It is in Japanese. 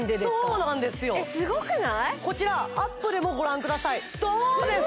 こちらアップでもご覧くださいどうですか？